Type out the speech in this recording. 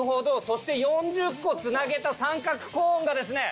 そして４０個つなげた三角コーンがですね